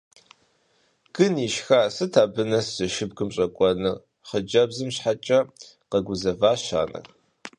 Гын ишха, сыт абы нэс жэщыбгым щӀэкӀуэнур? – хъыджэбзым щхьэкӀэ къэгузэващ анэр.